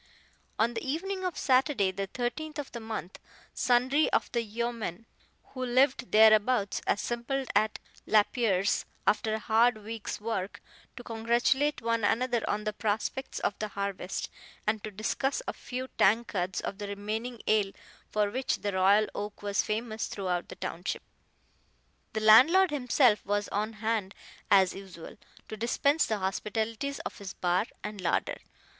On the evening of Saturday, the 13th of the month, sundry of the yeomen who lived thereabouts assembled at Lapierre's, after a hard week's work, to congratulate one another on the prospects of the harvest, and to discuss a few tankards of the reaming ale for which the Royal Oak was famous throughout the township. The landlord himself was on hand as usual, to dispense the hospitalities of his bar and larder.